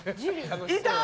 いたー！